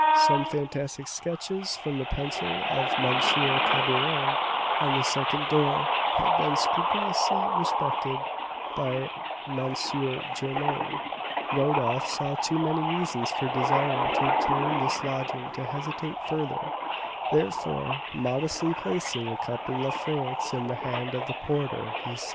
Some fantastic sketches from the pencil of M. Cabrion, on the second door, had been scrupulously respected by M. Germain. Rodolph saw too many reasons for desiring to obtain this lodging to hesitate further; therefore, modestly placing a couple of francs in the hand of the porter, he said: [Illustration: "'_This, I Suppose, Is the Work of M.